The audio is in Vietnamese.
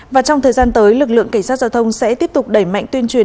và trong thời gian tới lực lượng cảnh sát giao thông sẽ tiếp tục đẩy mạnh tuyên truyền